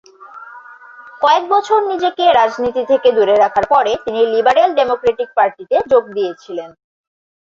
কয়েক বছর নিজেকে রাজনীতি থেকে দূরে রাখার পরে তিনি লিবারেল ডেমোক্র্যাটিক পার্টিতে যোগ দিয়েছিলেন।